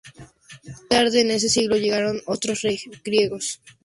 Más tarde en ese siglo llegaron otros griegos.